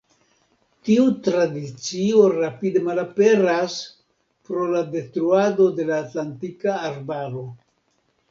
Tiu tradicio rapide malaperas pro la detruado de la atlantika arbaro.